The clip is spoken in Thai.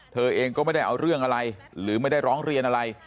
เธอเองก็ไม่ได้เอาเรื่องอะไรหรือไม่ได้ร้องเรียนอะไร